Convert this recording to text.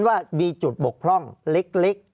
ภารกิจสรรค์ภารกิจสรรค์